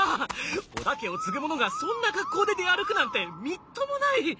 織田家を継ぐ者がそんな格好で出歩くなんてみっともない！